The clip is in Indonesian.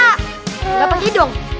nggak pake hidung